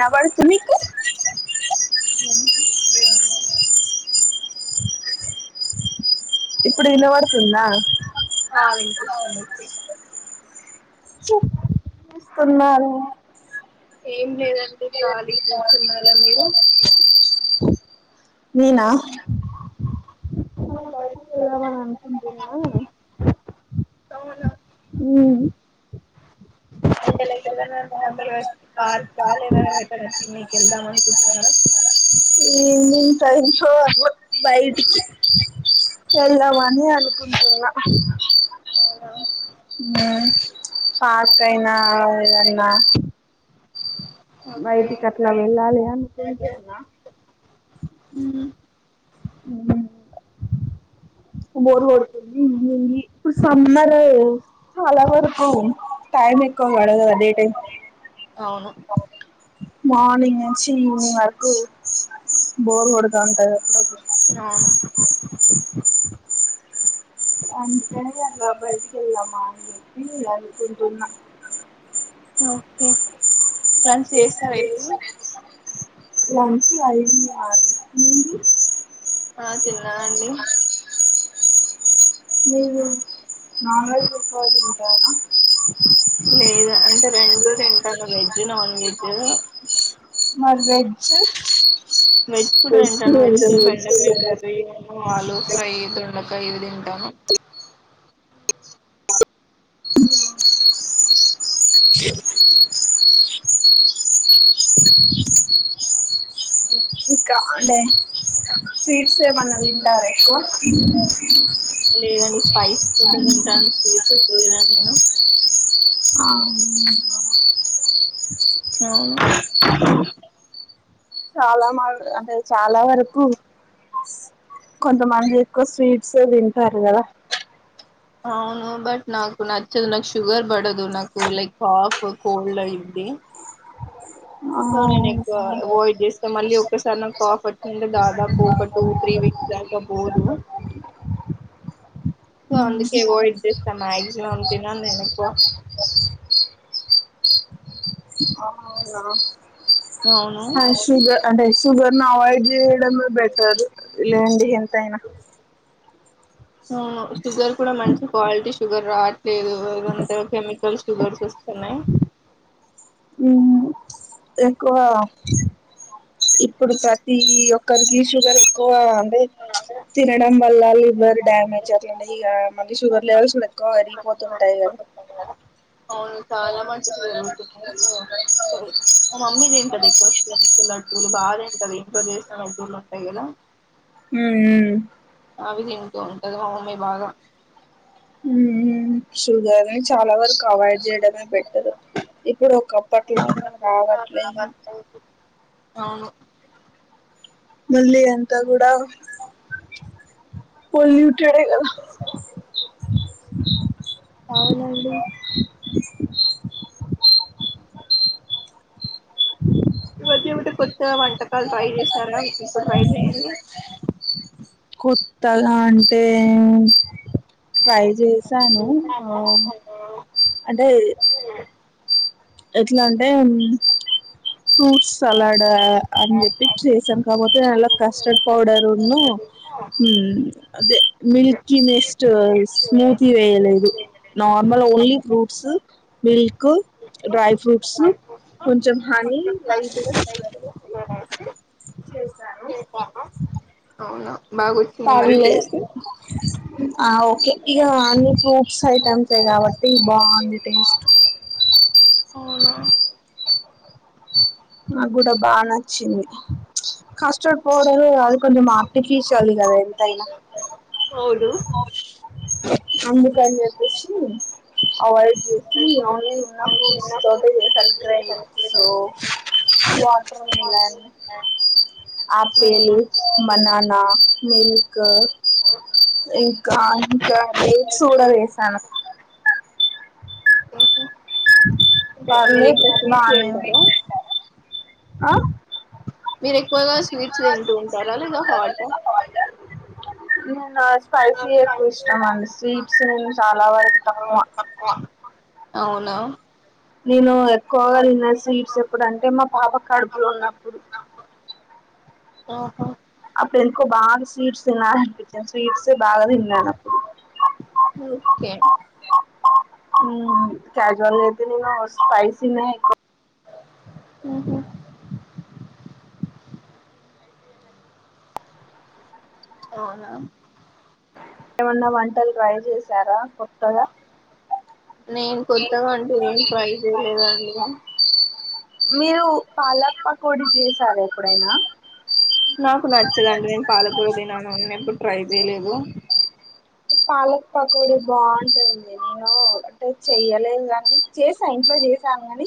నా గురించి మీకు [inaudible] [inaudible] ఇప్పుడూ ఇనవడుతుందా? చెప్ తున్నరు నేనా అలా బయటికి వెలదమని అనుకుంటున్నా ఊ అంటే లే [unintelligible] పార్కా లేద వేరే వేరే తినికి వెళ్దాం అనుకుంటున్నారా మ్ ఈవినింగ్ టైంలో అట్లా బయటికి ఎల్దమని అనుకుంటున్న అవునా ఉమ్. పార్క్ అయినా ఎద్ నా బయటికి అట్లా వెళ్ళాలి ఓకే అనుకుంటున్నా మ్ బోరు కోడుతుంది. ఇప్పుడు సమ్మరే చాలా వరకు అయితే ఎక్కువబడదిగా డే టైమ్ లో మార్నింగ్ ఈవెనింగ్ వరకు బోర్ కొడుతా అంటది. అ అంటనే అట్లా బయటికి వెళ్దామా అని చెప్పి అనుకుంటున్నా ఓకే లంచ్ చేసినర ఇప్పుడు ఆ ఆ తిన్నానండి నీవు నాన్ వెజ్ [unintelligible] లేదు అంటే రెండు తింటాను వెజ్ నాన్ వెజ్ మర్ వెజ్ వెజ్ కూడా తింటాను వెజ్ బెండకాయి కర్రీ ఆలు ఫ్రై దొండకాయ ఇవి తింటాను ఇకా అంటే స్వీట్స్ ఏమన్నా తింటారా ఎక్కువ లేదండి స్పైసీ ఫుడ్ తింటాను స్వీట్ ఫుడ్ తినను నేను ఆహ్ ఉ అవును చాలా మ అంటే చాలా వరకు కొంతమంది ఎక్కువ స్వీట్స్ తింటారు కదా అవును బట్ నాకు నచ్చదు నాకు షుగర్ పడదు నాకు లైక్ కాఫ్ కోల్డ్ అయిద్ది ఆ సో నేను ఎక్కువ అవాయిడ్ చేస్తా మళ్ళీ ఒసారి నాకు కాఫ్ వచ్చందాంటే దాదాపు ఒక టూ త్రీ వీక్స్ దాకా పోదు సో అందుకే అవాయిడ్ చేస్తా మాక్సిమమ్ తినను నేను ఎక్కువ ఆ వున అవును హ షుగ అంటే షుగర్ను అవాయిడ్ చేయడమే బెటర్ లేండి ఎంత అయినా అవును షుగర్ కూడా మంచి క్వాలిటీ షుగర్ రాట్లేదు ఏదంత కెమికల్ షుగర్స్ సోస్తున్నాయి ఉ ఎక్కువ ఇప్పుడు ప్రతి ఒక్కరికి షుగరెక్కువ టె తినడం వల్ల లివర్ డ్యామేజ్ అట్లనే ఇగ మళ్ళీ షుగర్ లెవెల్స్ ఎక్కువ పెరిగిపోతుంటాయి కదా ఆ చాలా వరకి ఆహ్ మా మమ్మీ తింటదీ ఎక్కువ స్వీట్స్ లడ్డూలు బాగా తింటది ఏప్పుడు చేసిన లడ్డులుంటాయి కదా ఉమ్ ఉ ఉ అవిదింటు ఉంటది మా మమ్మీ బాగా ఉ షుగర్ ని చాలా వరకు అవాయిడ్ చేయడమే బెటర్ ఇప్పుడు ఒకప్ అప్పట్లలాగా రావట్లేదు అవును మళ్ళి అంతా గూడా పొల్యూటెడే కదా తింటారా [unintelligible] [inaudible] అవునండి [unintelligible] [inaudible] [unintelligible] ఇవన్ని ఉంటే కొత్తగా వంటమ్ కాల్ ట్రై చెస్ సరం ఇప్పుడు వైట్ అయింది తద అంటే ప్రైజ్ చేసాను ఆ అంటే ఎట్లంటే ఫ్రూట్స్ సలాడ్ అని చెప్పిచ్చెస్ చెంకపోతే అన్ల కస్టర్డ్ పౌడర్ ఉన్ను అదే మిల్కి మెస్ట్ స్మూతి వేయలేదు normal only fruits milk dry fruits కొంచెం హనీ లైట్ చేసాను బాగోచ్చిందా మరి టేస్ట్ ఆ ఓకే ఇగ అన్ని ఫ్రూట్స్ ఐటమ్సె కాబట్టి బాగుంది టేస్ట్ నాకు కూడా బాగా నచ్చింది కస్టర్డ్ పౌడరు అది కొంచం [unintelligible] ఎంతైనా అవును [unintelligible] [inaudible] అందుకన్ చెప్పేసి అవాయిడ్ చేసి ఓన్లీ ఉన్న ఫ్రూట్స్ తోటె చేసా grapes watermelon apple banana milk ఇంకా ఇంక డెట్స్ కూడా వేసాను అంటే మీరు పర్లేదు ఎక్కువ స్వీట్స్ బానే తింటారా వేసాను ఆ మీరు ఎక్కువగా స్వీట్స్ తింటు ఉంటారా లేదా హాటా [inaudible] స్పైసీ ఎక్కువ ఇష్టం అండి స్వీట్స్ చాలా వరకు తక్కువ అవునా నేను ఎక్కువగా తిన్న స్వీట్స్ ఎప్పుడు అంటే మా పాప కడుపులో ఉన్నప్పుడు ఆహో డుకో బాగా స్వీట్స్ తినాలనిపించింది స్వీట్స్ బాగా తిన్నాను అప్పుడు ఓకే కజువల్ అయితే స్పైసీ ఉహు అవునా ఏమన్నా వంటలు ట్రై చేసారా కొత్తగా కొత్తగాంటూ ఏం ఫ్రై చేయలేదండి మీరు పాలక్ పకోడి చేసారు ఎప్పుడైనా నాకు నచ్చదండి నేను పాలకూర తినను నేను ఎప్పుడు ట్రై చేయలేదు పాలక్ పకోడి బాగుంటదిడి నేను అంటే చెయలేదు కాని చేసాను ఇంట్లో చేసాను కాని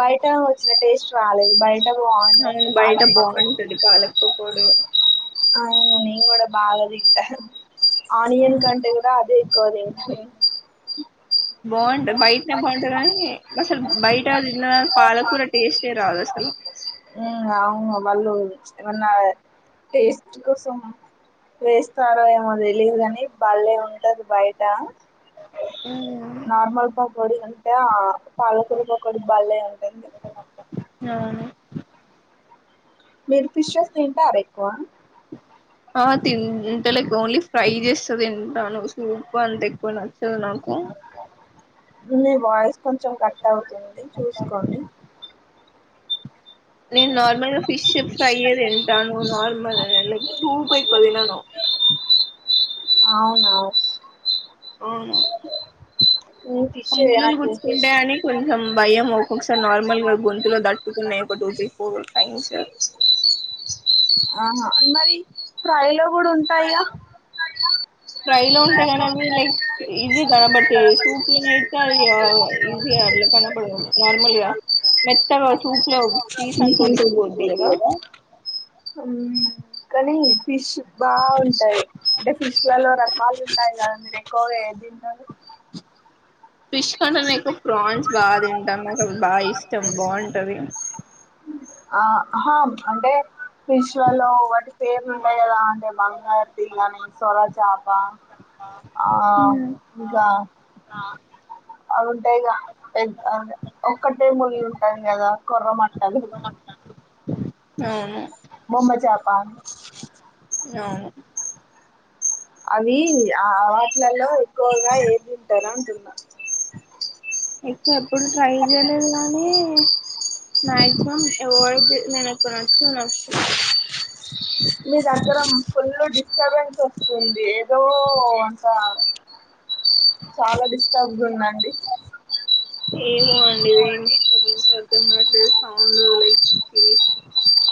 బయట వచ్చిన టేస్ట్ రాలేదు బయట బాగుంటది అవును బయట పాలక్ పకోడి బాగుంటది పాలక్ పకోడి అవును నేనుకూడా బాగాదిట్ట ఆనియన్ కంట అదే ఎక్కువ బాగుంటది బయటనే బాగుంటది కానీ అసలు బయట తిన్న పాలకూర టేస్టే రాదు అసలు అవును వాళ్ళు ఏమన్నా టేస్ట్ కోసం వేస్తారో ఏమో లేవు కాని బలే ఉండది బయట నార్మల్ పఫ్ ఓడుంట పాలకురా పకోడీ బలే ఉంటుంది అవును మీరు ఫిషర్ తింటారా రేపు ఆ తింట లైక్ ఓన్లీ ఫ్రై చేస్తుంది తింటాను సూప్ అంత ఎక్కువ నచ్చదు నాకు మీ వాయిస్ కొంచెం కట్ అవుతుంది చూసుకోండి నేను నార్ మల్ ఫిష్ ఫ్రైయే తింటాను నార్ మరే లక్ సూప్ ఎక్కువ తినను అవునా ఇస్ అవును ఉమ్, ఫిష్ ముల్లులు నాకు గుచ్చుకుంతటాయి అని ఫిష్ కొంచెం భయం ఒక్కొక్కసారి నార్మల్గా గొంతులో దట్టుకున్నాయి ఒక టూ త్రీ ఫోర్ టైమ్స్ ఆహా మరి ఫ్రై లోగూడ ఉంటాయిగా ఫ్రైలో ఉంటేగానీ లైక్ ఈజీ కనబడతాయ్ సూప్ తినేస్తా ఇగా ఈజీగా కనపడ నార్మల్గా మెత్తగా సూప్ లో పీస్ అంతా అంత ఉడికిపోద్ది ఉడికిపొద్దిగదా కదా మ్మ్ కానీ ఫిష్ బాగుంటాయి అంటే ఫిష్లలో రకాలు ఉంటాయి కదా మీరు ఎక్కువ ఎద్ తింటారు ఫిష్ కన్నా నేన్ ఎక్కువ ప్రాన్స్ బాగా తింటాను నాకు బాగా ఇష్టం బాగుంటంది ఆహా అంటే ఫిష్లాల్లో వాటి పేర్లు ఉంటాయి కదా అంటే బంగారుతీగా కాని సవరా చా పా ఆ ఇంకా అవు ఉంటాయిగా పె ఒక్కటే ముల్లు ఉంటాం కదా కుర్రమట్టల అవును బొమ్మజాపా అవును అవి ఆ అట్లా ల్లో ఎక్కువగా ఏం తింటారా అంటు ఎక్కువ ఎప్పుడు ట్రై చేయలేదు కాని మాక్సిమం ఎవాయిడ్ చే నాకు నచ్చ నచ్చ మీ దగ్గర ఫుల్ డిస్టర్బెన్స్ వస్తుంది ఏదో అంట చాలా డిస్టర్బ్ ఉందండి ఏమో అండి రెయిన్ [unintelligible]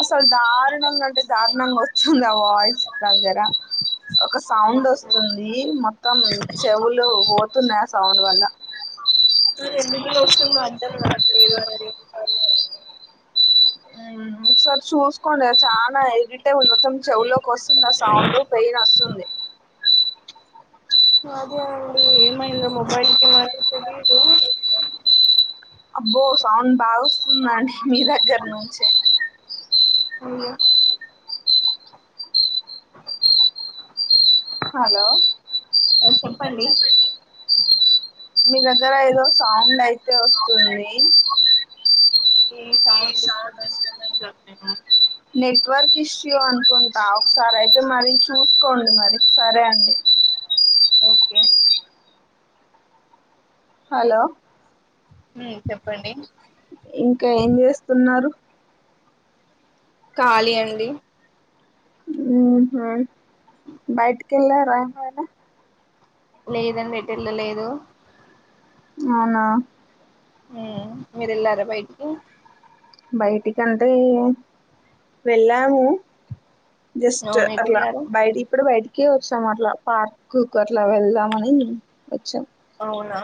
అసలు దారుణంగా అంటే దారుణంగా వస్తుంది ఆ వాయిస్ దగ్గర ఒక సౌండ్ వస్తుంది మొత్తం చెవులు పోతున్నాయి ఆ సౌండ్ వల్ల అది ఎందుకు ఇలా వస్తుందో అర్థంకావట్లేదు మరి ఉమ్ ఉసారి చూస్కోండి చానా అయి ఇటల్ మొత్తం చెవులోకి వస్తుంది సౌండ్ పెయిన్ వస్తుంది అదే అండి ఏమయిందో మొబైల్ కి మరి తెలీదు ఉన్నాని మీ దగ్గర్ నించే ఔనా హలో చెప్పండి మీ దగ్గర ఏదో సౌండ్ అయితే వస్తుంది ఈ సౌండ్ డిస్టర్బెన్స్ నెట్వర్క్ ఇష్యూ అనుకుంటా ఒకసారి అయితే మరి చూసుకోండి మరి సరే అండి ఓకే హలో ఉ చెప్పండి కె ఏం చేస్తున్నారు ఖాళీ అండి ఊ హా బైట్ కెళ్ళారా ఇవాళ లేదండి ఎటెళ్ళలేదు అవునా ఏ మీరెళ్ళారా బైటికి కంటే వెళ్ళాము జస్ట్ అవును ఎటు అట్లా వెళ్ళారు బైడి ఇప్పుడు బైటి కి వచ్చాం అట్లా పార్క్ కు అట్లా వెళ్దాం అని వచ్చాం ఔనా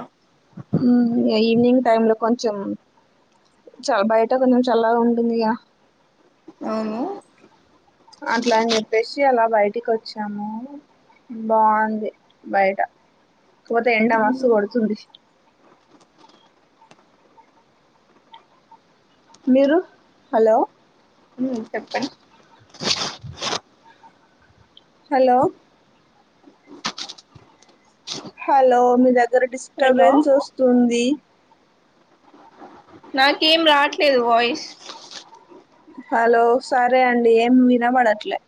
ఊ ఏ ఈవినింగ్ టైం లో కొంచెం చ బయట కొంచెం చల్లగా ఉంటుంది గా అవును అట్లా అని చెప్పేసి అలా బయటికి వచ్చాము బావుంది బయట పోతే ఎండ మస్తు కొడుతుంది మీరు హలో మ్ చెప్పండి హలో హలో మీద ఇరా హలో డిస్టర్బెన్స్ వస్తుంది నాకేం రాట్లేదు వాయిస్ హలో సరే అండి ఏం వినబడట్లే